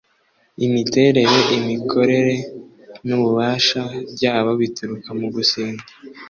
Imiterere, imikorere n ububasha byabo bituruka mu gusenga